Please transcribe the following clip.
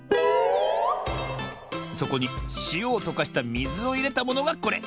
そこにしおをとかしたみずをいれたものがこれ。